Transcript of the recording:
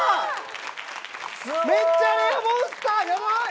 めっちゃレアモンスターヤバっ！